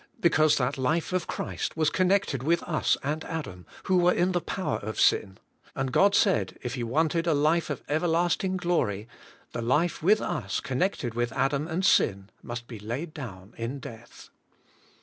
Because that life of Christ was connected with us and Adam, who were in the power of sin, and God said if He wanted a life of everlasting glory, the life with us, con nected with Adam and sin, must be laid down in death.